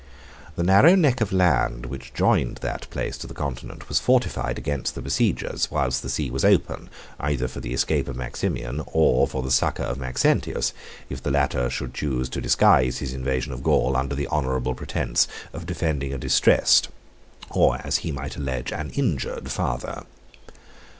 The narrow neck of land which joined that place to the continent was fortified against the besiegers, whilst the sea was open, either for the escape of Maximian, or for the succor of Maxentius, if the latter should choose to disguise his invasion of Gaul under the honorable pretence of defending a distressed, or, as he might allege, an injured father.